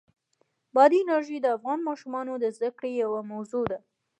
بادي انرژي د افغان ماشومانو د زده کړې یوه موضوع ده.